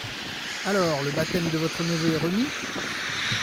Alors le baptême de votre neveu est remis ?